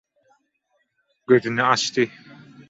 Gözüni açdy.